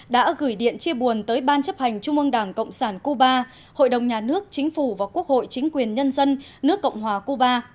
đã gửi điện chia buồn tới ban chấp hành trung ương đảng cộng sản cuba hội đồng nhà nước chính phủ và quốc hội chính quyền nhân dân nước cộng hòa cuba